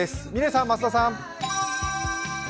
嶺さん、増田さん。